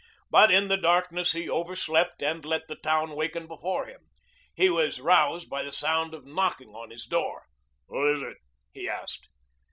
But in the darkness he overslept and let the town waken before him. He was roused by the sound of knocking on his door. "Who is it?" he asked.